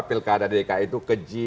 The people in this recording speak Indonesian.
pilkada dki itu keji